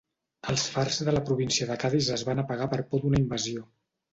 Els fars de la província de Cadis es van apagar per por d'una invasió.